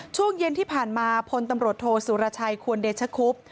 ช่วงเย็นที่ผ่านมาพลตำรวจโทสุรชัยควรเดชคุบ